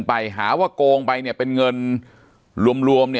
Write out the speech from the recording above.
ปากกับภาคภูมิ